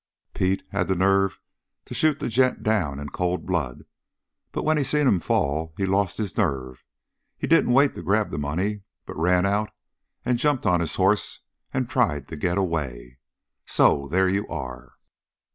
"Pete had the nerve to shoot the gent down in cold blood, but when he seen him fall he lost his nerve. He didn't wait to grab the money, but ran out and jumped on his hoss and tried to get away. So there you are.